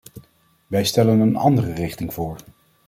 Wij stellen een andere richting voor.